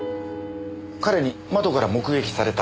彼に窓から目撃された。